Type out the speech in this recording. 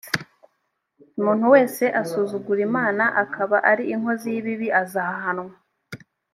umuntu wese asuzugura imana akaba ari inkozi y ibibi azahanwa